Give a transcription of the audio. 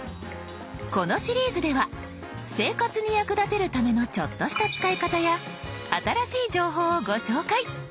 このシリーズでは生活に役立てるためのちょっとした使い方や新しい情報をご紹介。